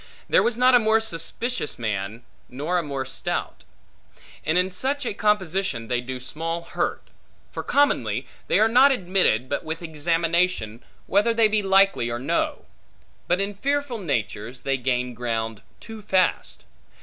There was not a more suspicious man, nor a more stout. And in such a composition they do small hurt. For commonly they are not admitted, but with examination, whether they be likely or no. But in fearful natures they gain ground too fast.